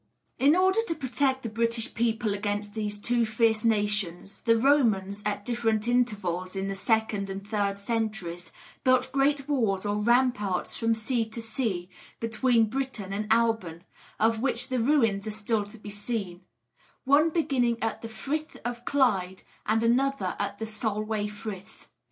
In order to protect the British people against these two fierce nations, the Romans, at different intervals in the second and third centuries, built great walls or ramparts from sea to sea, between Britain and Alban, of which the ruins are still to be seen: one beginning at the Frith of Clyde and another at the Solway Frith.